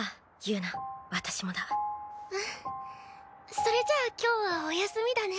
それじゃあ今日はおやすみだね。